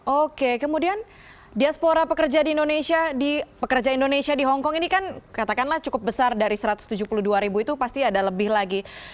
oke kemudian diaspora pekerja di indonesia pekerja indonesia di hongkong ini kan katakanlah cukup besar dari satu ratus tujuh puluh dua ribu itu pasti ada lebih lagi